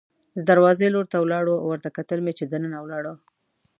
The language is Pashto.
د دروازې لور ته ولاړو، ورته کتل مې چې دننه ولاړه.